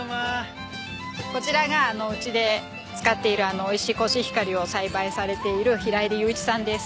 こちらがうちで使っているおいしいコシヒカリを栽培されている平出裕一さんです。